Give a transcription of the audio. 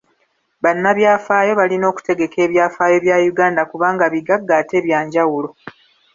Bannabyafaayo balina okutegeka ebyafaayo bya Uganda kubanga bigagga ate bya njawulo.